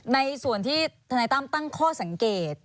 ในส่วนที่ธนายตั้มตั้งข้อสังเกต